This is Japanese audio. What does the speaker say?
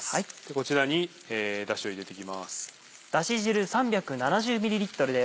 こちらにだしを入れていきます。